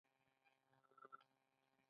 موټر که خراب شي، تنګوي.